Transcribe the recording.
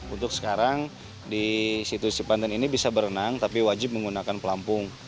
untuk sekarang di situs cipanten ini bisa berenang tapi wajib menggunakan pelampung